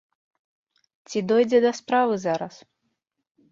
Ці дойдзе да справы зараз?